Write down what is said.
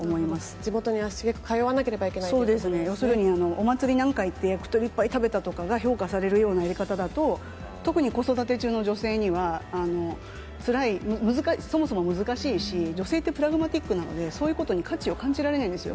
地元に足しげく通わなければそうですね、要するにお祭りなんか行って、行くと、焼き鳥いっぱい食べたとかが評価されるような家庭だと、特に子育て中の女性にはつらい、難しい、そもそも難しいし、女性ってプラズマティックなので、そういうことに価値を感じられないんですよ。